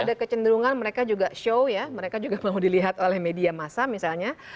ada kecenderungan mereka juga show ya mereka juga mau dilihat oleh media masa misalnya